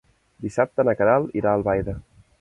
Dissabte na Queralt irà a Albaida.